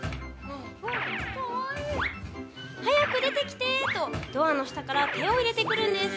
早く出てきて！とドアの下から手を入れてくるんです。